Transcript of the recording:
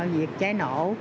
việc cháy nổ